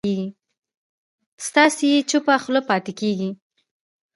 ستایي یې چوپه خوله پاتې کېږي